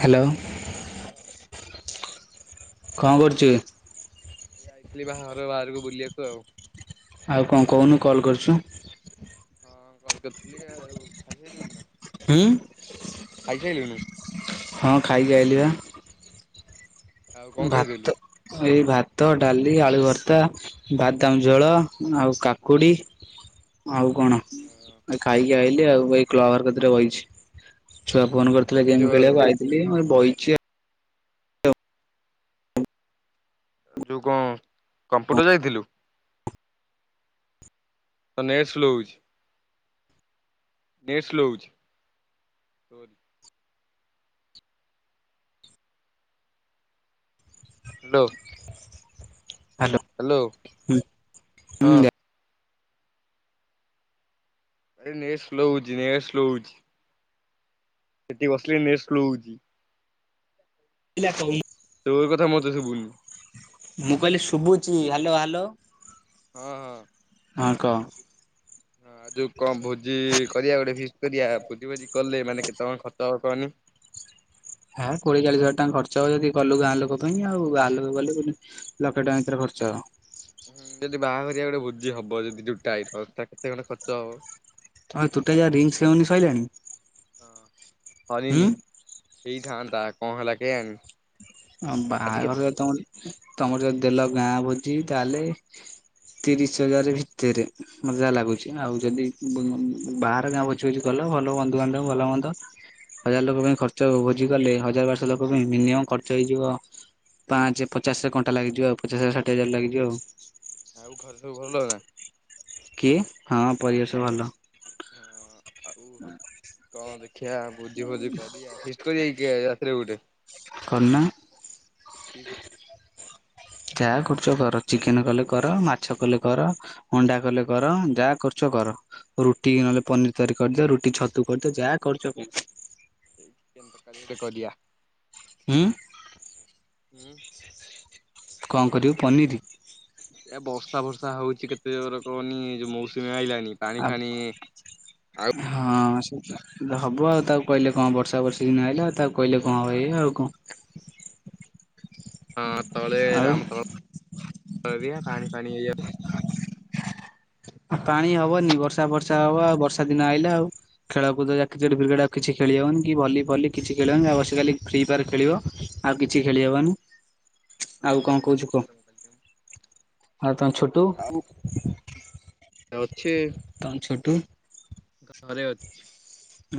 Hello. ହଁ କଁ କରୁଚୁ? ଏଇ ଆଇଥିଲି ବାହାଘର ବାହାରକୁ ବୁଲିଆକୁ ଆଉ। ଆଉ କଁ କହୁନୁ କଲ୍ କରୁଛୁ? ହଁ କଲ କରିଥିଲି ଆଉ, ଖାଇ ସାରିଲୁଣି ନା? ହୁଁ। ଖାଇ ସାଇଲୁଣୁ? ହଁ ଖାଇକି ଆଇଲି ବା। ଆଉ କଣ ଖାଇଥିଲୁ? ଭାତ ଏଇ ଭା ଭାତ, ଡାଲି, ଆଳୁ ଭର୍ତ୍ତା, ବାଦାମ ଝୋଳ, ଆଉ କାକୁଡ଼ି, ଆଉ କଣ ହଁ ଖାଇକି ଆଇ ଏମିତି ଆଉ ଏଇ କ୍ଳବ୍ ଘର କତିରେ ବଇଛି। ଛୁଆ ଫୋନ କରିଥିଲେ ବଇଚୁ ଗେମ୍ ଆଉ ଖେଳିଆକୁ ଆଇଥିଲି ମୁଁ ଏଇ ବଇ ଖେ ଯୋଉ କଣ କମ୍ପୁଟର ଯାଇଥିଲୁ? ତୋ ନେଟ୍ ସ୍ଲୋ ହଉଚି। ନେଟ୍ ସ୍ଲୋ ହଉଚି। ହ୍ୟାଲୋ। ହ୍ୟାଲୋ ହୁଁ ହୁଁ ହଁ ଜା ଆରେ ନେଟ୍ ସ୍ଲୋ ହଉଚି ନେଟ୍ ସ୍ଲୋ ହଉଚି। ସେଠି ବସିଲେ ନେଟ୍ ସ୍ଲୋ ହଉଚି। ପିଲା କହି ତୋର କଥା ମତେ ଶୁଭୁନି। ମୁଁ କହିଲେ ଶୁବୁଚି ଆ ହ୍ୟାଲୋ ହ୍ୟାଲୋ। ହଁ। ହଁ କ। ହଁ ଆଉ ଯୋଉ କଣ ଭୋଜି କରିବା ଗୋଟେ ଫିଷ୍ଟ କରିବା ଭୋଜି ଭୋଜି କଲେ ମାନେ କେତେ କଣ ଖର୍ଚ୍ଚ ହବ କହନି। ହା କୋଡିଏ ଚାଳିଶ ହଜାର ଟଙ୍କା ଖର୍ଚ୍ଚ ହବ ଯଦି କଲୁ ଗାଁ ଲୋକ ପାଇଁ ଆଉ ଗାଁ ଲୋକ ଗଲେ ଲକ୍ଷେ ଟଙ୍କା ଭିତରେ ଖର୍ଚ୍ଚ ହବ। ହୁଁ ଯଦି ବାହାଘରିଆ ଗୋଟେ ଭୋଜି ହବ ଯଦି ଯୋଉ ଟାଇପ୍ ର ପଇସା କେତେ ମାନେ ଖର୍ଚ୍ଚ ହବ। ଆ ତୁଟା ଯା ରିଙ୍ଗସେରିମନି ହଁ ସଇଲାଣିି ଉଁ? ତା କଣ ହେଲା କେଆଣି। ହଁ ଆଜି କେ ବାହାଘରରେ ତମରି ତମର ଯଦି ଦେଲ ଗାଁ ଭୋଜି ତାହେଲେ ତିରିଶ ହଜାରେ ଭିତରେ ମତେ ଯାହା ଲାଗୁଚି। ଆଉ ଯଦି ବୋ ବାହାର ଗାଁ ଭୋଜି ଭୋଜି କଲ ଭଲ ବନ୍ଧୁବାନ୍ଧବ ଭଲ ମନ୍ଦ ହଜାର ଲୋକ ପାଇଁ ଖର୍ଚ୍ଚ ହବ ବୋଲି। ଆଜିକାଲି ହଜାରେ ବାରଶହ ଲୋକ ପାଇଁ ମିନିମମ୍ ଖ ର୍ଚ୍ଚ ହେଇଯିବ ପାଞ୍ଚେ, ପଚାଶେ କଣ୍ଟା ଲାଗିଯିବ ଆଉ ପଚାଶ ହଜାରେ ଷାଠିଏ ହଜାରେ ଲାଗିଯିବ ଆଉ। ଆଉ ଘରେ ସବୁ ଭଲ ନା? କିଏ ହଁ ପରିବେଶ ଭଲ। ଓ କଣ ଦେଖିଆ ଭୋଜି ଫୋଜି କରିବା ଫିଷ୍ଟ କରିବା କି କେବେ ରାତିରେ ଗୋ [unintelligible] କରୁନା ଟିଭିି। ଯାହା କରୁଛ କର ଚିକେନ କଲେ କର, ମାଛ କଲେ କର, ଅଣ୍ଡା କଲେ କର, ଯାହା କରୁଛ କର। ରୁଟି କି ଚିକେନ ନହେଲେ ପନିର ତରକାରୀ କରିଦିଅ। ରୁଟି ଛତୁ କରିଦିଅ ଯାହା କରୁଛ କର। ଏଇ ଚିକେନ ତକାରୀ ଗୋଟେ କରିଆ। ହୁଁ ହୁଁ। କଣ କରିବୁ ପନିର? ଏ ବର୍ଷା ବର୍ଷା ହଉଛି କେତେ ଜୋର୍ କହନି ଯୋଉ ମୌସୁମୀ ଆଇଲାଣି ପାଣି ଆ ଫାଣି ଆଉ ହଁ। ହବ ଆଉ ତାକୁ କହିଲେ କଣ ବର୍ଷା ବର୍ଷି ଦିନ ଆଇଲା ଆଉ ତାକୁ କହିଲେ କଣ ହବ ଏଇ ଆଉ କଣ? ହଁ। ତଳେ ଆଉ ଆମ ତଳ ଅଭିକା ପାଣି ପାଣି ହେଇଯାଉଛି। ଆଉ ପାଣି ହବନି ବର୍ଷା ଫର୍ଷା ହବ ଆଉ ବର୍ଷା ଦିନ ଆଇଲା ଆଉ ଖେଳକୁଦ ଯାହା କ୍ରିକେଟ୍ ଫ୍ରିକେଟ ଆଉ କିଛି ଖେଳି ହବନି କି ଭଲି ଫଲି କିଛି ଖେଳିହବନି। ଯାହା ବସି ଖାଲି ଫ୍ରି ଫାୟାର ଖେଳିବ ଆଉ କିଛି ଖେଳି ହବନି। ଆଉ କଣ କହୁଛୁ କହ। ଆଉ ତମ ଛୋଟୁ [unintelligible] ଛି ଟୁ? ଘରେ ଅଛି।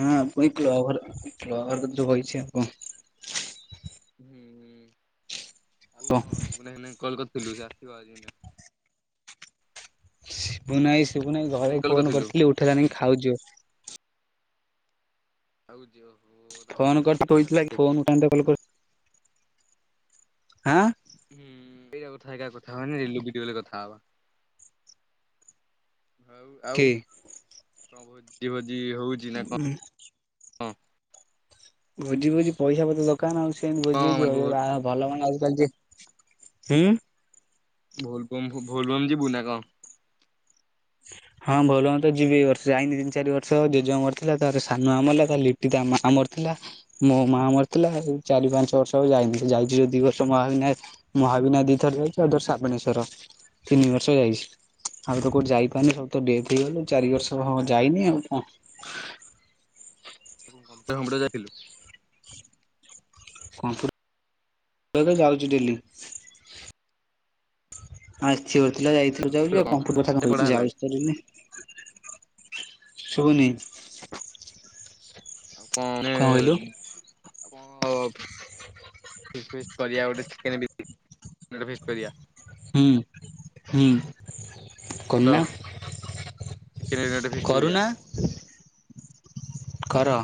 ନାଁ ଆପ୍ କହିଁ କ୍ଲବ ଘରେ କ୍ଲବ୍ ଘର କତିରେ ବଇଚି ଆଉ। ହୁଁ ହୁଁ। ଆଉ କହ କଣ ସିପୁନା ଭାଇନାଙ୍କୁ କଲ କରିଥିଲୁ ସେ ଆସିବ ଆଜି ବୋଲି। ଓ ନାଇସ। ସିପୁନା ଭାଇ ଶିବୁନୁ ଘରକୁ କଲ୍ ଫୋନ କରିଥିଲୁ କରିଥିଲି ଉଠେଇଲାନି ଖାଉଛି ବୋଲି ଆଉ ଯିବ। ଫୋନ୍ କରିି କହିଥିଲା କି ଫୋନ୍ ଉଠାନ୍ତା କଲ୍ କରି ଆଁ ହୁଁ। ଏଇକା କଥା ଏଇକା କଥା ହବାନି ରେଲୁ ଭିଡ଼ିଓରେ କଥା ହବା। ହଉ ଆଉ କିଏ? କଣ କହୁଚି ଯିବନି। ଯିବି ହଉଛି ନା କଣ? ହୁଁ ହଁ। ଭୋଜି ଫୋଜି ପଇସା ପତ୍ର ଦରକାର୍ ନା ଆଉ। ସେମିତି କଣ ଭୋଜି ମାନେ ହେଇଯିବ ଭୋ ଏ ବା ଭଲ ହବନା ଆଉ। ପାଞ୍ଜି ହୁଁ। ଭୋଲବମ୍ ହୋଉ ଭୋଲବମ୍ ଯିବୁ ନା କଣ? ହଁ ଭଲ ହୁଅନ୍ତା ଯିବି ଏ ବର୍ଷ ଯାଇନି ତିନି ଚାରି ବର୍ଷ ଜେଜେ ମରିଥିଲା। ତାର ସାନ ମାମୁଁ ମଲା ତା ଲିଟି ତା ମା ମରିଥିଲା। ମୋ ମା ମରିଥିଲା ଚାରି ପାଞ୍ଚ ବର୍ଷ ହବ ଯାଇନି। ଯାଇଛି ଯୋଉ ଦି ବର୍ଷ ମହାବିନାୟକ ମହାବିନାୟକ ଦିଥର ଯାଇଛି। ଆଉ ଥରେ ଶ୍ରାବଣେଶ୍ୱର ତିନି ବର୍ଷ ଯାଇଛି ଆଉ ତ କୋଉଠି ଯାଇ ପା ମାନେ ସବୁ ତ ଡେଥ୍ ହେଇଗଲେ ଚାରି ବର୍ଷ ହବ ଯାଇନି ଆଉ କଣ। କମ୍ପ୍ୟୁଟର ଫମ୍ପୁଟର ଯାଇଥିଲୁ? କମ୍ପୁଟର ତ ଯାଉଛି ଡେଲି। ହଁ ଅଛି ବୋ ପିଲା ଡେଲି ଯାଇଥିଲୁ ଯାଉଛୁ ଯାଉଛି ଆଉ କମ୍ପୁଟର କଥା କଣ କେତେ ବଡ କହିବି। ହେଲାଣି ଯାଉଛି ତ ଡେଲି। ଶୁଭୁନି। ଆଉ କଣେ କଣ କହିଲୁ [unintelligible] କଣ ଫିସ୍ଟ ଫିସ୍ଟ କରିବା ଗୋଟେ ଚିକେନ୍। ଚିକେନ୍ ଫିସ୍ଟ କରିଆ। ହୁଁ ହୁଁ। ହାଲୋ କରୁନା ଚିକେନ ବିରିୟାନୀ ଗୋଟେ ଫିସ୍ କରିବା। କରୁନା। କର।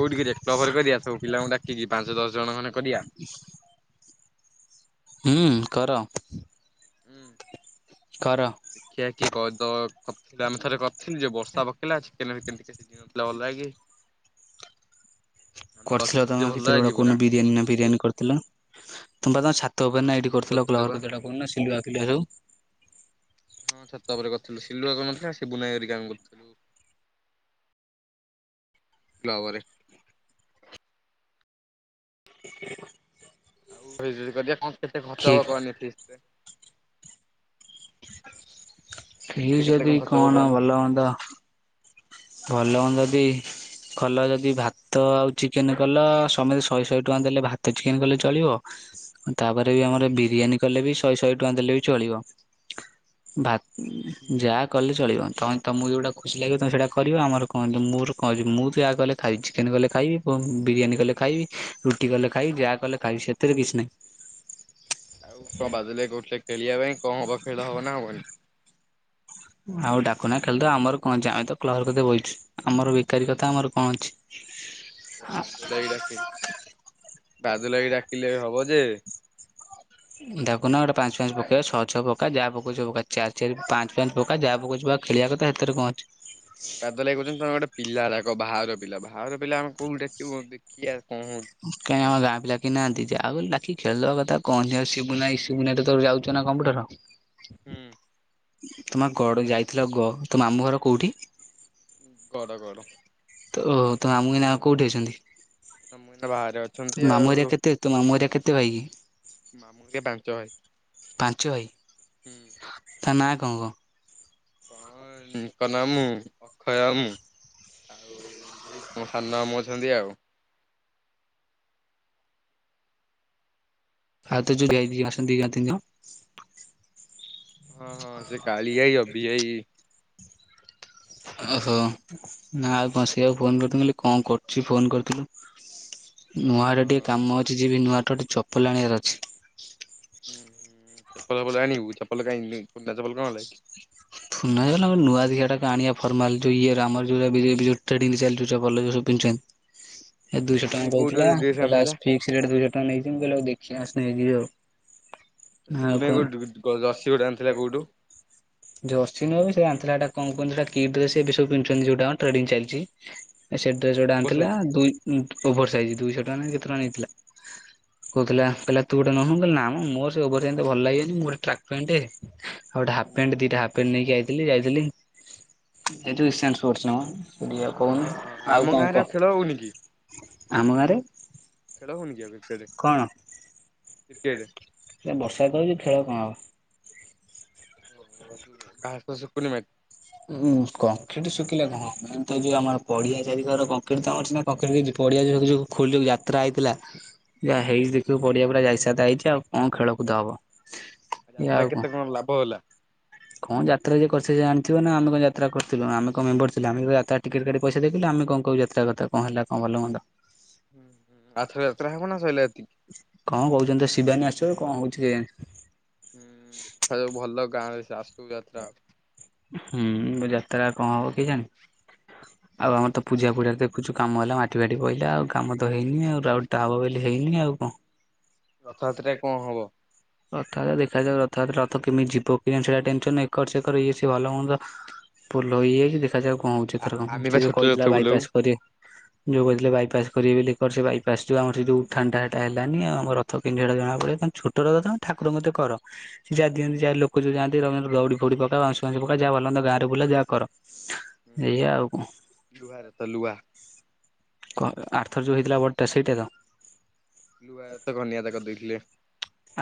କୋଉଠି କିରେ କ୍ଲବ୍ ଘରେ କରିଆ ସବୁ ପିଲାଙ୍କୁ ଡାକ୍ ଖିକି ପାଞ୍ଚ ଦଶ ଜଣ ଖଣ୍ଡେ କରିଆ। ହୁଁ କର। ହୁଁ। କର। ଚି କଦ କଥିଲୁ ଆମେ ଥରେ କରିଥିଲୁ ଯେ ବର୍ଷା ପାଗ ହେଲା ଚିକେନ୍ ଭିକେନ୍ ଟିକେ ସିଝି ନଥିଲା ଭଲା କି। କରିଥିଲ ବା ତମ ଭିତରେ ଗୋଟେ କୋଉ ଦିନ ବିରିୟାନୀ ନା ଫିରିୟାନୀ କରିଥିଲ ତମେ ପା ତମ ଛା ତୋ ବା ହଁ ନାଇଟ୍ ବିରିୟାନୀ କରୁଥିଲ କରିଥିଲୁ ବା କ୍ଲର୍କ ଯୋଉଟା କହୁନ ସିଲୁଆ ଫିଲୁଆ ସବୁ। ହଁ ଛାତ ଉପରେ କରିଥିଲୁ ସିଲୁଆ କଣ କରିଥିଲା ଶିବୁନ୍ ଭାଇ ହେରିକା ଆମେ କରିଥିଲୁ। କ୍ଲବ୍ ଘରେ। [inaudible] ଆଉ [unintelligible] କରିବା କ କେତେ ଖର୍ଚ୍ଚ କିଏ ହବ କହନି ଫିସ୍ଟ ରେ? ଫିଷ୍ଟ ରେ ଫିର୍ କେତେ ଯଦି ଖର୍ଚ୍ଚ ହବ କଣ କହନି? ଭଲ ହୁଅନ୍ତା। କଲମ୍ ଯଦି କଲ ଯଦି ଭାତ ଆଉ ଚିକେନ କଲ ସମତେ ଶହେ ଶହେ ଟଙ୍କା ଦେଲେ ଭାତ ଚିକେନ କଲେ ଚଳିବ ତାପରେ ବି ଆମର ବିରିୟାନୀ କଲେ ବି ଶହେ ଶହେ ଟଙ୍କା ଦେଲେ ବି ଚଳିବ ଭା ହୁଁ ଯାହା କଲେ ଚଳିବ ତମେ ତମକୁ ଯୋଉଟା ଖୁସି ଲାଗିବ ତମେ ସେଟା କରିବ ଆମର କଣ ତ ମୋର କଣ ଅଛି ମୁଁ ତ ଯାହା କଲେ ଖାଇବି ଚିକେନ କଲେ ଖାଇବି ବିରିୟାନୀ କଲେ ଖାଇବି ରୁଟି କଲେ ଖାଇବି ଯାହା କଲେ ଖାଇବି ସେଥିରେ କିଛି ନାହିଁ। ଆଉ କଣ ବାଦଲ ଭାଇ କହୁଥିଲେ ଖେଳିବା ପାଇଁ କଣ ହବ ଖେଳ ହବ ନା ହବନି? ଆଉ ଡାକୁନା ଖେଳି ଦେବା ଆମର କଣ ଅଛି ଆମେ ତ କ୍ଲବ ପାଖରେ ବଇଚୁ। ଆମର ବେକାରୀ କଥା ଆମର କଣ ଅଛି। [inaudible] ଯାଏ ବାଦଲ ଭାଇ ଡାକେ ବାଦଲ ଭାଇ ଡାକିଲେ ହବ ଯେ ତାକୁ ନା ଗୋଟେ ପାଞ୍ଚ ପାଞ୍ଚ ପକେଇବା ଛଅ ଛଅ ପକା ଯାହା ପକିବ ଚାର ଚି ପାଞ୍ଚ ପାଞ୍ଚ ପକା ଯାହା ପକଉ ଯିବଉ ଖେଳିବା କଥା ହେତିରେ କଣ ଅଛି। ବାଦଲ ଭାଇ କଉଛନ୍ତି ତମେ ଗୋଟେ ପିଲାହାରକ ବାହାର ପିଲା ବାହର ପିଲା ଆମ କଉଠ ଦେଖିବୁ ଦେ କି ଆ କାଇଁ ଆମ ଗାଁ ପିଲା କେହି ନାହାନ୍ତି ଆଉ କି ଖେଲିବା କଥା କହନ୍ତିିବୁୁ ଆଉ ଶିବୁନ ଭାଇ ଶିବୁନ ଭାଇ ତୋ ଯାଉଛ ନା କମ୍ପ୍ୟୁଟର? ହୁଁ। ତୁମ ଗଡ ଯାଇଥିଲ ଗ ତୋ ଆମୁ ଘର କୋଉଠି। ଗଡ ଗଡ। ତ ଓହୋ ତୋ ମାମୁଁ ଏଇନା କୋଉଠି ଅଛନ୍ତି? ସମସ୍ତେ ବାହାରେ ତୋ ଅଛନ୍ତି ମାମୁଁ ହେରିକା ଆଉ କେତେ ତୋ ମାମୁଁ ହେରିକା କେତେ ଭାଇ କି ମାମୁଁ ହେରିକା ପାଞ୍ଚ ଭାଇ ପାଞ୍ଚ ଭାଇ ହୁଁ। ତା ନା କଣ କଣ? ହଁ। ନିକନ ଆମୁ ଅକ୍ଷୟ ଆମୁ ଆଉ ଯେମିତି କଣ ସାନ ମମାମୁଁ ଅଛନ୍ତି ଆଉ ଆଉ ଯୋଉଁ ଆସନ୍ତି ଦି ଜଣ ତିନି ଜଣ? ହଁ ହଁ ସେ କାଲିଆ ଭାଇ ଅଭିି ଭାଇ ଓହୋ ନା ଆଉ କଣ ସେଆକୁ ଫୋନ କରିଥିଲୁ କହ କଣ କରୁଛି ଫୋନ କରିଥିଲୁ ହଁ ନୂଆରେ ହଁ ଟିକେ କାମ ଅଛି ଯିବି ନୂଆ ଗୋଟେ ଚପଲ ଆଣିବାର ଅଛି। ହୁଁ ହ ଚପଲ ଆଣିବୁ ଚପଲ ଚପଲ କଣ ହେଲାକି? [unintelligible] ଏ ଦୁଇଶହ ଟଙ୍କା କହୁଥିଲ କହିଲା ଫିକ୍ସ ରେଟ ଆଉ ଦୁଇଶହ ଶିବୁନୁ ଭାଇ ଟଙ୍କା କୋଉଠୁ ଗୋଟେ ଡ୍ରେସ ନେଇଚି ଆଣିଥିଲା ମୁଁ କହିଲି ଆ ଦେଖିବା। [unintelligible] ଆଉ ସିବୁନ ଭାଇ କଣ? [unintelligible] ଯର୍ସିବି ଟେ ଆଣିଥିଲା କୋଉଠୁ? ଜର୍ସି ନାଇ ବେ ସେ ଆଣିଥିଲା ଏଟା କଣ କହିଲୁ କି ଡ୍ରେସ ଏବେ ସବୁ ପିନ୍ଧୁଛନ୍ତି ଯୋଉଟା ମ ଟ୍ରେଡିଙ୍ଗ ଚାଲିଛି। ସେ ଡ୍ରେସ ଗୋଟେ ଓଭର ଆଣିଥିଲା ସାଇଜ। ଦୁଇ ଓଭର ସାଇଜ୍ ଦୁଇଶ କେତେ ଟଙ୍କା ନେଇଥିଲା? କହୁଥିଲା ହୁଁ କହିଲା ତୁ ଗୋଟେ ନଉନୁ। ନା ମୋ ମୋର୍ ସେ ଓଭର ସାଇଜ ଏତେ ଭଲ ଲାଗେନି ମୁ ଗୋଟେ ଟ୍ରାକ ପ୍ୟାଣ୍ଟ୍ ଟେ ଆଉ ପ୍ୟାଣ୍ଟ ଦି ଟା ହାଫ୍ ପ୍ୟାଣ୍ଟ୍ ନେଇକି ଆଇ ଥିଲି ଯାଇଥିଲି। [unintelligible] [unintelligible] କଉନୁ ହଁ ହଁ ଆମ ଆଉ କଣ ଗାଁରେ କହ? ଖେଳ ହଉନି କି ଆମ ଗାଁରେ [unintelligible] କଣ? କ୍ରିକେଟ? ସେ ବର୍ଷା ତ ହଉଛି ଖେଳ କଣ ହବ। [unintelligible] ଯୋଉ ଘାସ ଶୁକୁନି ମାଟି ଆମର ପଡିଆ ଚାରିକର କଂକ୍ରିଟ୍ ତମର ସିନା କଂକ୍ରିଟ୍ ହେଇଛି ପଡିଆ ଯାଗା କୁ ଯୋଉ [unintelligible] ଯାତ୍ରା ହେଇଥିଲା। ଯାହା ହେଇଚି ଦେଖିବୁ ପଡିଆପୁରା ଯାଇସାଇତା ହେଇଛି ଆଉ କଣ ଖେଳକୁଦ ହବ। ଏଇଆ ଯାତ୍ରା ଆଉ କେତେ କଣ ଲାଭ ହେଲା? କଣ ଯାତ୍ରା ଯେ କରିଚି ସେ ଜାଣିଥିବ ନା ଆମେ କଣ ଯାତ୍ରା କରିଥିଲୁ। ଆମେ କଣ ମେମ୍ୱର ଥିଲୁ। ଆମେ ଯାତ୍ରା ଟିକେଟ୍ କାଟି ପଇସା ଦେଇଥିଲୁ ଆମେ କଣ କହିବୁ ଯାତ୍ରା କଥା ହେଲା କଣ ଭଲମନ୍ଦ। ଆରଥର ଯାତ୍ରା ହେବ ନା ସଇଲା ଏତିକି? କଣ କହୁଛନ୍ତି ତ ଶିବାନୀ ଆସିବ କଣ ହଉଛି କେଜାଣି। ହୁଁ ଦେଖାଯାଉ ଭଲ। [unintelligible] ଫାଲତୁ ଯାତ୍ରା ହଉଚି। ହୁଁ ଯାତ୍ରା କଣ ହବ କେଜାଣି, ଆଉ ଆମର ତ ପୂଜା ଫୁଜା ଦେଖୁଛୁ କାମ ହେଲା ମାଟି ଫାଟି ପଇଲା ଆଉ କାମ ତ ହେଇନି ଆଉ [unintelligible] ହେଇନି ଆଉ କଣ। ରଥଯାତ୍ରା ରେ କଣ ହବ? ରଥଯାତ୍ରା ଦେଖାଯାଉ ରଥଯାତ୍ରା ରଥ କେମିତି ଯିବ [unintelligible] ଏକାର ସେକର କିଛି ଭଲ ମନ୍ଦ ଭୁଲ ହେଇଯାଇଛି ଦେଖାଯାଉ କଣ କଣ ହଉଛି ଆ ଏଥରକ ଆମେ ବା ସେ, ଯୋଉ ଛୋଟ ରଥ କହିଥିଲା ବୁଲାଉ। ବାଇପାସ୍ କରି ଯୋଉ କହିଥିଲେ ବାଇପାସ୍ କରିବେ ବୋଲି ଆମର ଯୋଉ ଉଠାଣି ହେଟା ହେଲାନି ଆଉ। ଆମ ରଥ କେମିତି ହେଟା ଜଣାପଡ଼ିବ। ମାନେ ଛୋଟ ରଥ ତମେ ଠାକୁରଙ୍କ କତିରେ କର। ଯା ଦିଅନ୍ତି ଯାହା ଲୋକ ଯୋଉ ଯାଆନ୍ତ୍। [unintelligible] [unintelligible] ଯାହା ବୁଲାନ୍ତ ଗାଁ ରେ ବୁଲା ଯାହା କର। ହୁଁ ଏଇଆ ଆଉ କଣ ଲୁହା ର ତ ଲୁଆ। [unintelligible] ଆରଥର ଯୋଉ ହେଇଥିଲା ବଡଟା ସେଇଟା ତ। ଲୁହା ଜେତକ ଘନିଆ ଦାଦା କରି ଦେଇଥିଲେ।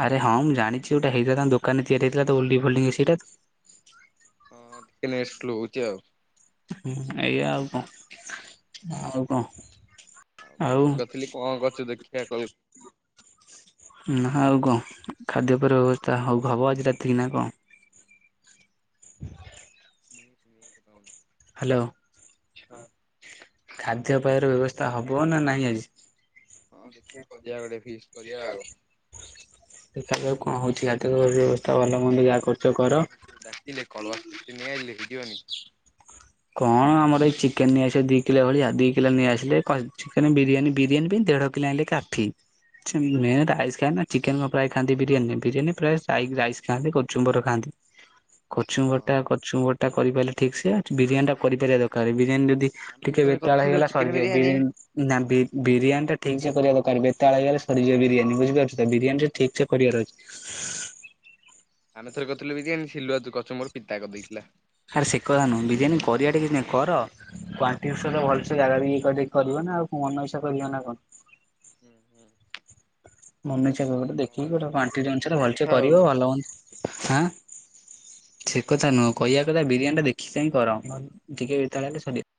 ଆରେ ହଁ ମୁଁ ଜାଣିଛି ଯୋଉଟା ହେଇଥିଲା ତାଙ୍କ ଦୋକାନରେ ତିଆରି ହେଇଥିଲା। ଓଲ୍ଡିଂ ଫୋଲ୍ଡିଂ ସେଟା ତ ହଁ ଟିକେ ନେଟ୍ ସ୍ଲୋ ହଉଛି ଆଉ। ଏୟା ଆଉ କଣ। ଆଉ କଣ? ଆଉ ମୁଁ କଲ୍ କରିଥିଲି କଣ କରଛୁ ଦେଖିିଆ କହିବୁ? ନା ଆଉ କଣ ଖାଦ୍ୟପେୟ ର ବ୍ୟବସ୍ତା ହବ ଆଜି ରାତି କି ନା କଣ? [unintelligible] ହାଲୋ। ଖାଦ୍ୟପେୟର ବ୍ୟବସ୍ଥା ହବ ନା ନାହିଁ ଆଜି? ହଁ ଦେଖିବା କରିବା ଗୋଟେ ଫିଷ୍ଟ କରିବା ଆଉ। ଦେଖାଯାଉ। କଣ ହଉଛି ଲାଟର ବା ରେବସି। ଡା ଡାକିଲେ କଳୁଆ ସୃଷ୍ଟି ନେଇଆ ଇଲେ। ଦିଅନି। କଣ ଆମର ଏଇ ଚିକେନ ନେଇଆସିଲେ ଦି କିଲୋ ଭଳିଆ ଦିକିଲୋ ନେଇ ଆସିଲେ ଚିକେନ ବିରିୟାନୀ- ବିରିୟାନୀ ପାଇଁ ଦେଢ଼ କିଲୋ ଆଣିଲେ କାଫି। ଚୁ ମେ ଟାହାଇସ କା ନା। ଚିକେନ ର ପ୍ରାୟ ଖାଆନ୍ତି ବିରିୟାନୀ। ବିରିୟାନୀ ପ୍ରାୟ ସାଇଗ ରାଇସ୍ ଖାଆନ୍ତି କଚୁମ୍ବର ଖାଆନ୍ତି। କଚୁଙ୍ଗଟା ହଁ କଚୁଅଟ୍। ଟା କରିପାଇଲ ଠିକ୍ ସେ? ବିରିୟାନୀ ଟା କରିପାରିବା ଦରକାର ବିରିୟାନୀ ଯେନ୍ତି। ଆମେ ଟିକେ ଥରେ ବେତାଳ କରିଥିଲୁ ହେଇଗଲା ଚିକେନ ସରିଯିବ ବିରିୟାନୀ ବିରି ନା ବି ବିରି ବିରିୟାନୀ ଟା ଠିକ୍ ସେ କରିବା ଦରକାର ବେତାଳହେଇଗଲେ ସରିଯିବ ବିରିୟାନୀ ବୁଝିପାରୁଛ ତ ବିରିୟାନୀ ଟା ଠିକ୍ ସେ କରିବାର ଅଛି। ଆମେଥରେ କରଥିଲୁ ବିରିୟାନି ସିଲୁଆ ତୁ କ ତୁମୋର ପିତା କଦେଇଥିଲା। ଆରେ ସେ କଥା ନୁହଁ ବିରିୟାନୀ କରିବା ଟା କିଛି ନାଇଁ କର, କ୍ୱାଣ୍ଟିବିସବ୍ ଭଲସେ ଜାଗା ଦେଖିକି କରିବ ନା ଆଉ କଣ ମନ ଇଚ୍ଛା କରିବ ନା କଣ,? ହୁଁ ହୁଁ। ଆମେ ମାନେ ଚଳିବ ଗୋଟେ ଦେଖିକି ହଁ ଗୋଟେ କ୍ୱାଣ୍ଟିଟି ଦେଖିକି ଅନୁସାରେ କରିବା ଭଲସେ କଥା ଆଉ। କରିବ ଭଲ ହୁଅନ୍ତା ହାଁ ହୁଁ ସେ ହୁଁ। କଥା ନୁହଁ କହିବା କଥା ବିରିୟାନୀ ଟା ଦେ। ଚାହିଁ କର ଟିକେ ବେତାଳିଆ ହେଲେ ସରିିବ।